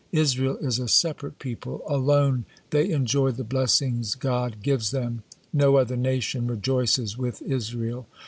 Israel is a separate people, alone they enjoy the blessings God gives them, no other nation rejoices with Israel.